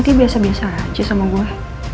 itu biasa biasa aja sama gue